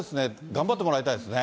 頑張ってもらいたいですね。